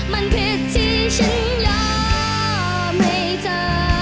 มันผิดที่ฉันยอมให้เจอ